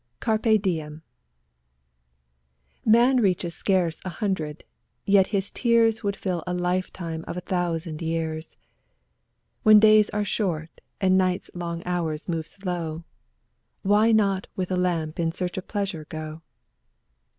C. ^ 20 CARPE DIEM Man reaches scarce a hundred, yet his tears Would fill a lifetime of a thousand years. When days are short and night's long hours move slow, Why not with lamp in search of pleasure go?